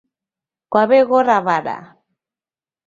Kwaw'eghora w'ada